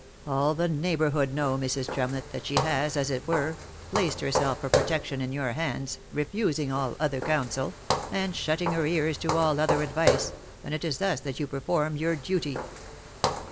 All the neigh bourhood know, Mrs. Tremlett, that she has, as it were, placed herself for protection in your hands, refusing all other counsel, and shutting her ears to all other advice, and it is thus that you perform your duty!"